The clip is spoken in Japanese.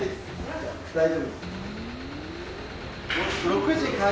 大丈夫です。